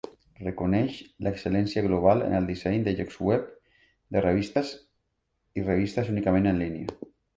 Reconeix l'excel·lència global en el disseny de llocs webs de revistes i revistes únicament en línia.